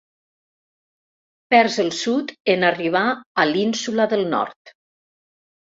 Perds el sud en arribar a l'ínsula del nord.